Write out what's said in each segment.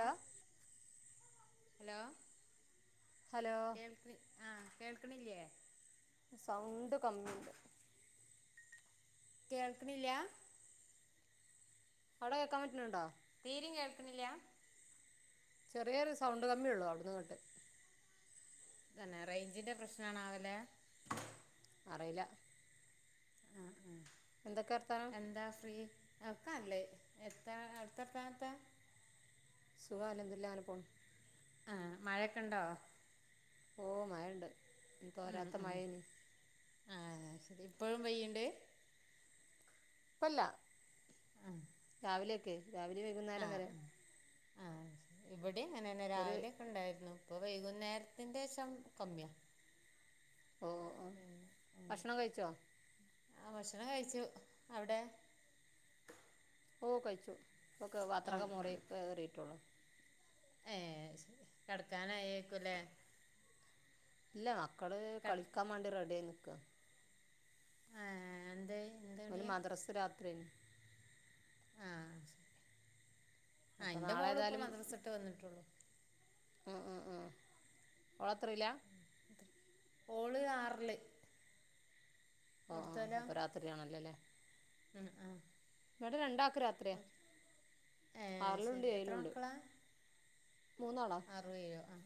ആ hello hello കേൾക്ക്ണി ആഹ് കേൾക്ക്ണില്ലേ? സൗണ്ട് കമ്മിണ്ട് കേൾക്ക്ണില്ല്യാ അവടെ കേൾക്കാൻ പറ്റ്ന്ന്ണ്ടോ തീരിം കേൾക്ക്ണില്ലാ? ചെറിയേരു സൗണ്ട് കമ്മിയേളളു അവട്ന്ന്ങ്ങട്ട് തന്നെ റെയ്ഞ്ചിന്റെ പ്രശ്നം ആണാവല്ലെ അറില. ആ ആ എന്തൊക്കെ വർത്താനം എന്താ ഫ്രീ ഒക്കാനല്ലേ എത്ത അവടുത്ത വർത്തനത്താ സുഖണ് അൽ ഹംദു ലില്ല [unintelligible] അങ്ങനെ പോണ് ആ മഴയൊക്കെണ്ടോ ഓ മഴുണ്ട് ഉം തോരാത്ത ഉം മഴേന് ആ ശരി ഇപ്പോഴും പെയ്യുണ്ട്? ഇപല്ല ആ രാവിലെയക്കെ രാവിലെ വൈകുന്നേരം വരെ. ഇവിടെ അങ്ങനെന്നെ ഒരു രാവിലെയക്കെ ഉണ്ടായിരുന്നു ഇപ്പൊ വൈകുന്നേരത്തിന്റെ ശം കമ്മിയ. ഓ ഓ ഓ ഭക്ഷണം കഴിച്ചോ ആ ഭക്ഷണം കഴിച്ചു അവിടെ ഓ കഴിച്ചു ഇപ്പ ആ പാത്രക മോറി കേറിട്ടുള്ളു. ഏ കെടക്കാനായിക്കൂല്ലേ ഇല്ല മക്കള് കട് കളിക്കാൻ മാണ്ടി റെഡി ആയി നിക്ക. ആ എന്തേയ് ഓൻമദ്രസ് രാത്രിയന്. ആ അപ്പോൾ ന്റെ നാളെ മോള ഇപ്പ മദ്രസ ഇട്ട് വന്നിട്ടുള്ളു. ഉംഓളത്രല്ല? ഓള് ആറില് അവിടുത്തെ ലേ ശരിയാല്ലോല്ലേ? ഉം ഉം ഇവടെ രണ്ടക്ക് രാത്രരിയ ഏഹ് ആറിലുണ്ട് ശരി എത്ര ഏയ്ലുംണ്ട്. മൂന്നാളാ അറു വഴെ ആ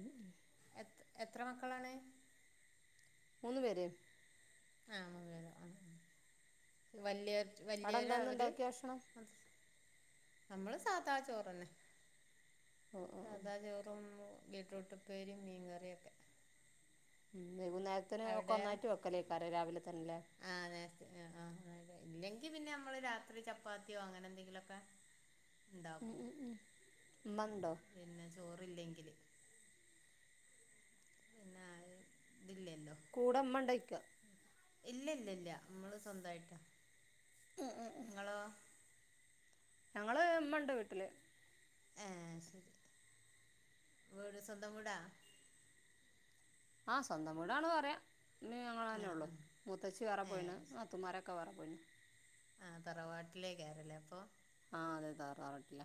ഇം എത്ര മക്കളാണ് മൂന്ന് പേര് ആഹ് അങ്ങനെ വല്യ അവിടെ വല്യോരാ എന്താന്ന് അവര് ഉണ്ടാക്കിയ ഭക്ഷണം നമ്മള് സാധാ ചോറന്നെ ഓ ഓ ഓ സാധാ ചോറും ബീട്ട്റൂട്ടുപ്പേരിയും മീൻകറിയൊക്കെ വൈകുന്നേരത്തിന് ഒക്കെ അവിടെയാ ഒന്നായിട്ട് വെക്കലേക്കാരെ രാവിലെ തന്നെയല്ലേ ആഹ് നേരത്തിന് ഹാ ആ ഇല്ലെങ്കി പിന്നെ നമ്മള് രാത്രി ചപ്പാത്തിയോ അങ്ങനെ എന്തെങ്കിലൊക്കെ ഉണ്ടാക്കും ഉമ്മ ഉണ്ടോ പിന്നെ ചോറില്ലെങ്കിൽ നായി ദില്ലിയല്ലോ കൂടെ മ്മണ്ടൊയ്ക ഇല്ല ഇല്ലല്ല മ്മള് സ്വന്തായിട്ട് നിങ്ങളോ ഞങ്ങള് ഇമ്മ ഉണ്ട് വീട്ടില് എഹ് ശരി വീട് സ്വന്തം വീടാ ആ സ്വന്തം വീടാണ് പറയാ ഇമ്മിം ഞങ്ങൾ തന്നെ ആഹ് ഉള്ളൂ ആഹ് മൂതച്ഛി വേറെ പോയിണ് ഏഹ് നാത്തൂമാരെ- ക്ക വേറേ പോയിന്നു ആ തറവാട്ടിലേകാരം അല്ലേ അപ്പൊ ആഹ് അതെ താറവാട്ടില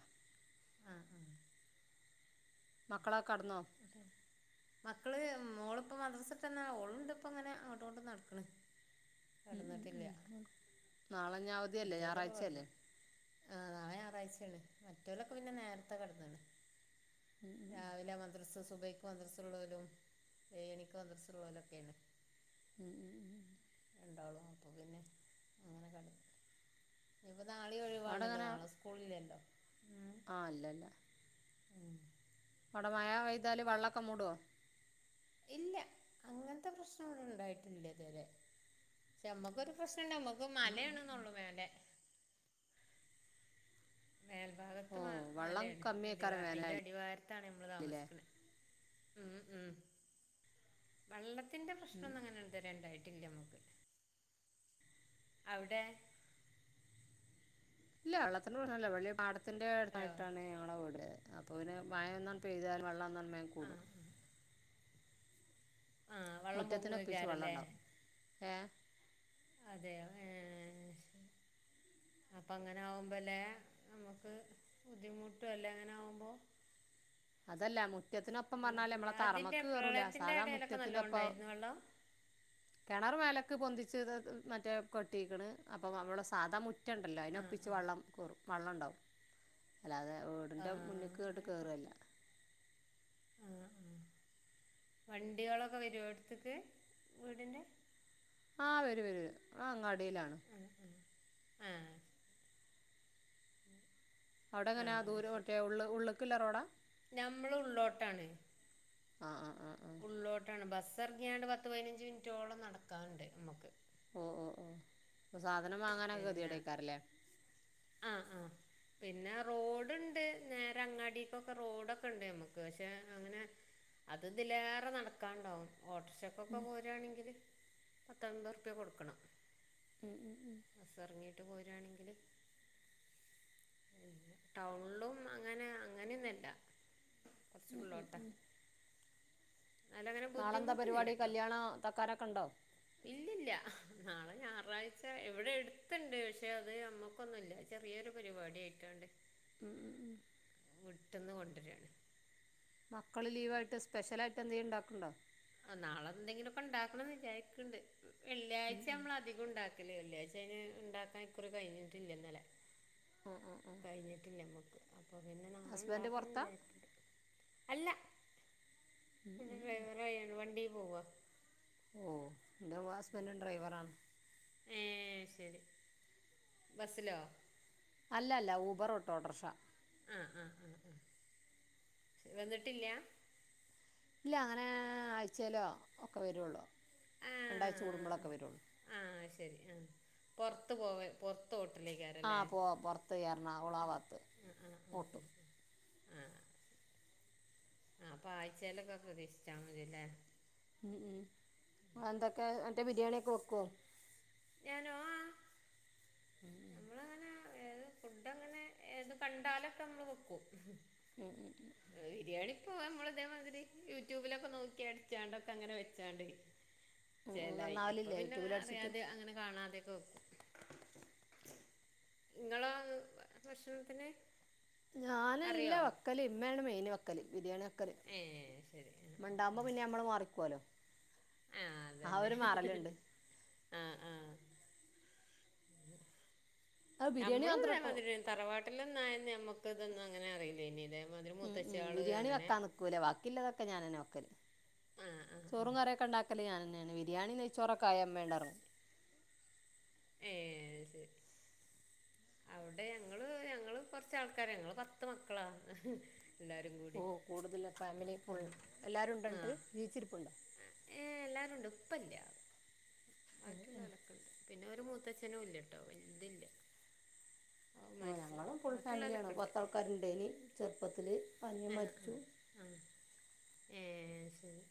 ആഹ് ആഹ് മക്കളൊക്കെ കടന്നോ മക്കള് മോളിപ്പോ മദ്രസട്ട് തന്നെ ഓളിപ്പണ്ട് ഇപ്പ അങ്ങനെ അങ്ങോട്ടങ്ങോട്ട് നടക്കണ് ഉം, ഉം, കടന്നിട്ടില്ല ഉം. ആ നാളെ ഞ മറ്റോലൊക്കെ കടന്നു ആഹ് നാളെ ഞായറാഴ്ചല്ലേ മറ്റോലൊക്കെ പിന്നെ നേരത്തെ കടന്നിണ് രാവിലെ മദ്രസ സുബയ്ക്ക് മദ്രസ ഉള്ളോലും ഏഴുമണിക്ക് മദ്രസ ഉള്ളോലും ഒക്കെയാണ് ഉം ഉം ഉം ണ്ടാളൂ അപ്പോ പിന്നെ അങ്ങനെ കെട ഇനിപ്പോ നാളേം അവിടെ ഒഴിവാണല്ലോ നാളെ സ്‌കു കൂളില്ലല്ലോ ഉം ആഹ് അല്ല അല്ല ഉം അവടെ മഴ പെയ്താല് വെള്ളൊക്കെ മൂടോ ഇല്ല അങ്ങനത്തെ പ്രശ്നെന്നുണ്ടായിട്ടില്ല തുവരെ പക്ഷെ നമ്മക്കൊരു പ്രശ്നണ്ട് നമുക്ക് മലേണന്നള്ളൂ മേലേ മേൽഭാഗത്ത് ഓ വെള്ളം മലയാണ് അടിവ കമ്മിയേക്കാരം അതിന്റെ വേനലായാലല്ലേ അടിവാരത്താണ് നമ്മള് താമസിക്കുന്നത് ഉം ഉം വള്ള ത്തിന്റെ ഉം പ്രശ്നന്നും അങ്ങനെ ഇതുവരണ്ടായിട്ടില്ല നമക്ക് അവിടെ ഇല്ല വെള്ളത്തിന്റെ പ്രശ്നമല്ല വെള്ളി പാടത്തിന്റെ ഹലോ അടുത്തായിട്ടാണ് ഞങ്ങള വീട് അപ്പോൾ പിന്നെ മഴ നല്ലോണം പെയ്താൽ വെള്ളം നന്നായി ആ കൂടും ആ വെള്ളം മുറ്റത്തിന ഒപ്പിച്ച് പൊങ്ങുവയ്ക്കാരല്ലേ വെള്ളണ്ടാവും ഏഹ് അതെയൊ ഏഹ് ശരി അപ്പ അങ്ങനെ ആഉമ്പോ ല്ലേ നമ്മുക്ക് ബുദ്ധിമുട്ടും അല്ലേ അങ്ങനെ ആഉമ്പോ അതല്ല മു റ്റത്തിനൊപ്പം പറഞ്ഞാല് വെള്ളത്തിൻ്റെ നമ്മളെ അതിൻ്റെ തറമക്ക് കേയറൂലാ പ്രളയത്തിൻ്റെ സാധാ ഇടയിലൊക്കെ നല്ലോണം മുറ്റത്തിന്റെപ്പ ഉണ്ടായിരുന്നു വെള്ളം കിണർ മേലക്ക് പൊന്തിച്ച് മറ്റേ കൊട്ടിക്ണ് അപ്പൊ നമ്മടെ സാദാ മു റ്റണ്ടല്ലോ ആ അയ്നൊപ്പിച്ച് ആ വള്ളം കേറും വള്ളംണ്ടാവും അല്ലാതെ ആ വീടിന്റെ മുന്നിൽക്ക് ഇങ്ങട്ട് കേറല്ല ആഹ് ആഹ് വണ്ടികളൊക്കെ വരോ എടുത്ക്ക് വീടിന്റെ ആഹ് വരും വരും അഹ് അങ്ങടിയിലാണ് ഉം ഉം ഏഹ് അവിടെ ആ എങ്ങനാ ആ ദൂരം മറ്റേ ഉള്ള് ഉള്ളുക്കില്ല റോഡാ ഞമ്മള് ഉള്ളോട്ടാണ് ആഹ് ആഹ് ആഹ് ഉള്ളോട്ടാണ് ബസ്സ് ഇറങ്ങിയാണ്ട് പത്ത് പതിനഞ്ച് മിനിറ്റോളം നടക്കാന്ണ്ട് മക്ക് ഓ ഓ ഓ സാധനം വാങ്ങാനൊക്കെ കെതികേട് അയ്കാരം ല്ലേ ആഹ് ആഹ് പിന്നെ റോഡ്ണ്ട് നേരെ അങ്ങാടിക്കൊക്കെ റോഡൊക്കെ ണ്ട് ഞമ്മക്ക് പക്ഷെ അങ്ങനെ അത് തിലേറെ നടക്കാണ്ടാവും ഓട്ടർക്ഷക് പ്പൊക്കെ പോരണെങ്കിൽ പത്തൻമ്പത് ഉർപ്യ കൊടുക്കണം ഉം ഉം ഉം ബസ് ഇറങ്ങിട്ട് പോരാണെങ്കില് ടൗൺളും അങ്ങനെ അങ്ങനെന്നുല്ല കൊറച്ചുള്ളോട്ട നാളെന്താ ബുദ്ധിമുട്ടില്ല പരിപാടി കല്യാണ തക്കാരൊക്കെണ്ടോ ഇല്ല ല്ല നാളെ ഞായറാഴ്ച എവ്ടെ എടുത്ണ്ട് പക്ഷെ അത് അമ്മക്കൊന്നുല്ല ചെറിയൊരു പരിപാടിയായിട്ട് ഏണ്ട് ഉം ഉം വിട്ട്ന്ന് കൊണ്ടുരാണ് മക്കള് ലീവായിട്ട് സ്പെഷ്യൽ ആയ്ട്ട് എന്തെലും ഇണ്ടാക്ക്ണ്ടോ ആ നാളെന്തെങ്കിലും ഒക്കെ ഇണ്ടാക്കണന്ന് വിചാരിക്കണ്ട് വെള്ളിയാഴ്ച്ച അമ്മള് അധി കും ഇണ്ടാക്കല് വെള്ളിയാഴ്ച അയ്ന് ഇണ്ടാക്കാൻ ഇക്കുറി കഴിഞ്ഞിട്ടില്ല ഇന്നലെ ആഹ് ആഹ് ആഹ് കഴിഞ്ഞിട്ടില്ല മക്ക് അപ്പൊ പിന്നെ ഹസ്ബൻഡ് നമ്മളുണ്ടാക്കണംന്ന് പുറത്താണ് വിചാരിക്ക്‌ണ്ട് അല്ല പിന്നെ വേറെ [unintelligible] വണ്ടി പോവ ഓഹ് എന്റെ ഹസ്ബൻ്റും ഡ്രൈവറാണ് ഏഹ് ശരി ബസിലോ അല്ലല്ല ഊബർ ഓട്ടോ ഓട്ടോറിക്ഷ ആഹ് ആഹ് ആഹ് ആ വന്നിട്ടില്ല ഇല്ല അങ്ങനെ ആഴ്ചെലോ ഒക്കെ വരുള്ളൂ രണ്ടാഴ്ച്ച കൂടുമ്പളൊക്കെ വരുള്ളൂ ആഹ് ശരി ആഹ് പൊർത്ത് പോവൽ പൊർ തോട്ടിലേക്കാരം ല്ലേ ആഹ് പോവാ പുറത്ത് എറണാകുളം ആ ഉം ഭാഗത്ത് ആഹ് ആഹ് ഓട്ടും ആഹ് അപ്പ ആഴ്ചേലൊക്കെ പ്രതീക്ഷിച്ചാ മതില്ലേ ഉം ഉം അ എന്തൊക്കെ അന്റെ ബിരിയാണിയൊക്കെ വെക്കോ ഞാനോ ആ ആഹ് വേദ ഫുഡ് അങ്ങനെ ഏത് കണ്ടാലൊക്കെ നമ്മള് വെക്കും ഉം ഉം ഉം ബിരിയാണിപ്പോ അമ്മള് ഇതേമാതിരി യൂട്യൂബിലൊക്കെ നോക്കി അടിച്ചാണ്ട്ക്കെ അങ്ങനെ വെച്ചാണ്ട് ഉം ഉം ചേലായി ഇപ്പൊ നന്നാവലില്ലേ പിന്നെ യൂട്യൂബിലടിച്ചിട്ട് അറിയാതെ അങ്ങനെ കാണാതെയൊക്കെ വെക്കും ഇങ്ങളാ ഭക്ഷണത്തിന് ഞാനല്ല അറിയോ വെക്കല് ഇമ്മെണ് മെയിൻ വെ ക്കല് ബിരിയാണി വെക്കല് ഏ ശരി ആ ഇമ്മ ഇണ്ടാവ്മ്പോ പിന്നെ ഞമ്മള് മാറിക്കോലോ ആഹ് അതന്നെ ആഹ് ആഹ് അത് ബിരിയാണി ഞമ്മളും മാത്രം ട്ടോ ഇതേമാതിരി തറവാട്ടിലൊന്നായന്ന് ഞമ്മക്ക് ഇതൊന്നും അങ്ങനെ അറില്ലെയ്ഞ്ഞില്ലെ ഉം ഉം ബിരിയാണി വെക്കാ നിക്കൂല വാക്കില്ലതൊക്കെ ഞാനെന്നെ വെക്കല് ആ ആ ആ ചോറും കറിക്കെ ഇണ്ടാക്കല് ഞാനന്നെണ് ബിരിയാണി നെയ് ചോറൊക്കെ ആയ ഇമ്മ ഇണ്ടാ ഏഹ് അഹ് ശരി അവ്ടെ ഞങ്ങള് ഞങ്ങള് കൊറച്ചാൾക്കാരാ ഞങ്ങള് പത്ത് മക്കളാ എല്ലാരും കൂടി ഓഹ് കൂടുതല് ഫാമിലി ഫുൾ ഉം എല്ലാരും ഉണ്ടോണ്ട് ജീവിച്ചിരിപ്പ ഏഹ് എല്ലാരും ഇണ്ട് ഉപ്പല്ല ബാക്കിള്ളോലൊക്കെ ഇണ്ട് പിന്നെ ഒരു മൂത്തച്ഛനുല്ലട്ടോ വൽതില്ല ആ ഞങ്ങളും ഫുൾ ഫാമിലിയാണ് ബാക്കിയുള്ളോലൊക്കെ ഉണ്ട് പത്താൾക്കാര്ണ്ടയില് ചെറുപ്പത്തില് അനിയൻ മരിച്ചു ഉം ഏഹ് അത്ശെരി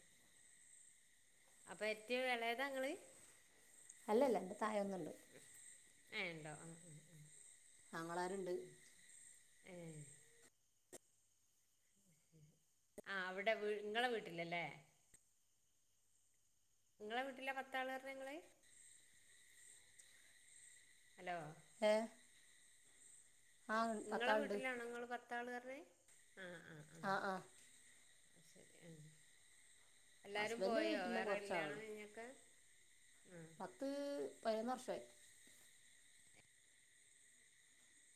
അപ്പൊ ഏറ്റവും എളയതാങ്ങള് അല്ലല്ല ഇന്റെ തായെ ഒന്നുണ്ട് ഏഹ് ഇണ്ടോ ആഹ് ആഹ് ആങ്ങളാര്ണ്ട് ഏഹ് ആഹ് അവടെ വീട് ഇങ്ങളെവീട്ടിലല്ലേ ങ്ങളെ വീട്ടില പത്താള് പറഞ്ഞങ്ങള് ഹലോ ഏഹ് ങ്ങളെ വീട്ടിലാണോങ്ങള് പത്താള് പറഞ്ഞേ ആഹ് ആഹ് ആഹ് ആഹ് ആഹ് ശെരിയാ എല്ലാരും ഹസ്ബൻഡ് പോയോ വീട്ടിൽ വേറെ കല്യാണം കുറച്ചാളുള്ളൂ കയിഞ്ഞൊക്കെ പത്ത് പതിനൊന്നുവർഷായി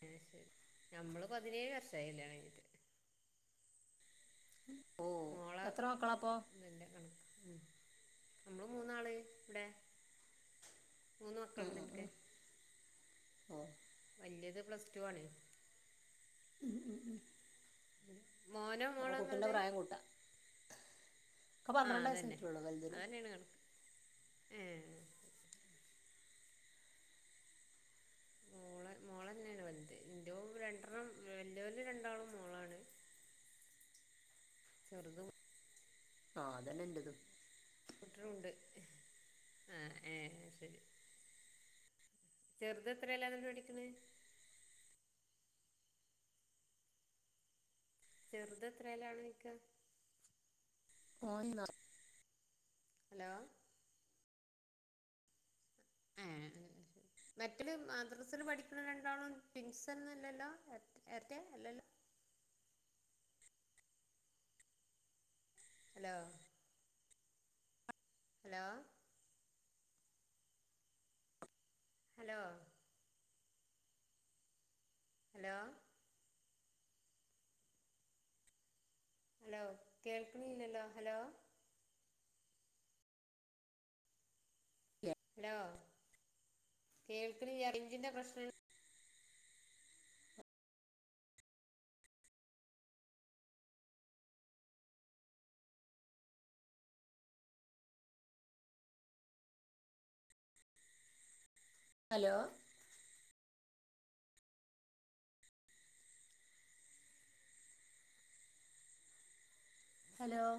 അത്ശരി ഞമ്മള് പതിനേഴ് വർഷായി കല്യാണംകഴിഞ്ഞിട്ട് ഓ എത്ര മക്കളാപ്പൊ ന്റെ കണക്ക് ഉം നമ്മള് മൂന്നാള് വ്ടെ മൂന്ന് മക്കളുണ്ട്ൻക്ക് ആഹ് ഇന്റേത് പ്ലസ് ടു ആണ് ഉം ഉം ഉം മോനോ അപ്പൊ മോളോ കുട്ടിന്റെ നിങ്ങളത് പ്രായം കൂട്ടാ ഒക്കെ ആഹ് പന്ത്രണ്ട് അതന്നെ വയസ്സായിട്ടുള്ളൂ വലുതിന് അതന്നേണ് കണക്ക് ഏഹ് മോളന്നേണ് വല്ത് ഇന്റതും രണ്ടെണ്ണം വല്യോല് രണ്ടാളും മോളാണ് ചെറുതും ആഹ് അതന്നെ ഇന്റതും കൂട്ടികളുണ്ട് ആഹ് ഏഹ് ശെരി ചെറുതെത്രയിലാന്നിട്ട് പഠിക്കണെ ചെറുതെത്രയിലാന്നോയ്ക്ക ഓൻ [unintelligible] ഹലോ ഏഹ് മറ്റില് മദ്രസില് പഠിക്ക്ണ രണ്ടാളും ട്വിൻസൊന്നല്ലല്ലോ എരട്ടെ അല്ലല്ലോ hello hello hello hello hello കേക്ക്ണില്ലല്ലോ ഹലോ ഏഹ് ഹലോ കേൾക്കണില്ല റെയിഞ്ചിന്റെ പ്രശ്ന ഹലോ ഹലോ